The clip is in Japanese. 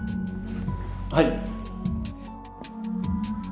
はい。